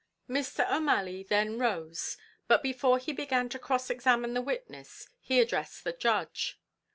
Mr. O'Malley then rose, but before he began to cross examine the witness, he addressed the judge.